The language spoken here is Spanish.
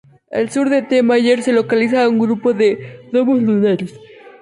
Al sur de T. Mayer se localiza un grupo de domos lunares.